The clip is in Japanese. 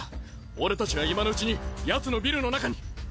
俺たちは今のうちにヤツのビルの中に！